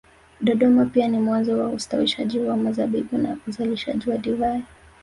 Dodoma pia ni mwanzo wa ustawishaji wa mizabibu na uzalishaji wa divai